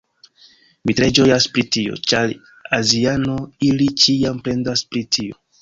Mi tre ĝojas pri tio! ĉar aziano, ili ĉiam plendas pri tio